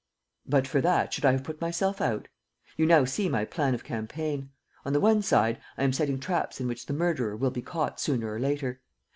"But for that, should I have put myself out? You now see my plan of campaign. On the one side, I am setting traps in which the murderer will be caught sooner or later.